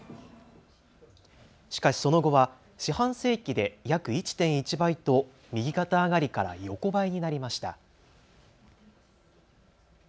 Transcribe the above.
しかしその後は四半世紀で約１．１倍と右肩上がりから横ばいになりました。